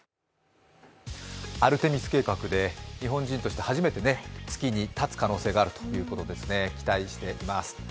アルテミス計画で日本人として初めて月に立つ可能性があるということですね、期待しています。